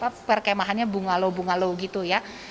terkemahannya bunga low bunga low gitu ya